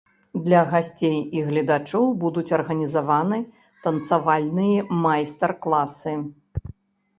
Для гасцей і гледачоў будуць арганізаваны танцавальныя майстар-класы.